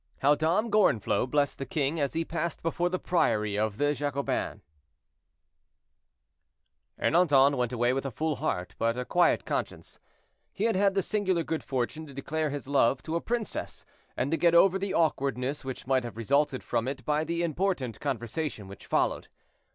HOW DOM GORENFLOT BLESSED THE KING AS HE PASSED BEFORE THE PRIORY OF THE JACOBINS. Ernanton went away with a full heart but a quiet conscience; he had had the singular good fortune to declare his love to a princess, and to get over the awkwardness which might have resulted from it by the important conversation which followed.